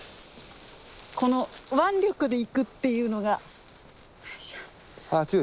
この腕力でいくっていうのが。